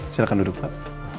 silahkan duduk pak